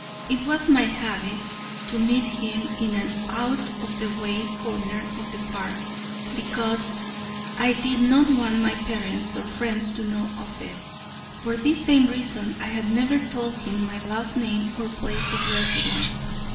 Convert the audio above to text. It was my habit to meet him in an out of the way corner of the park, because I did not want my parents or friends to know of it. For this same reason, I had never told him my last name or place of residence.